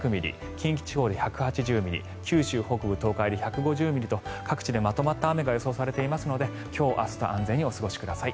近畿地方で１８０ミリ九州北部、東海で１５０ミリと各地でまとまった雨が予想されていますので今日、明日と安全にお過ごしください。